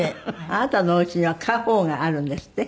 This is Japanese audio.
あなたのお家には家宝があるんですって？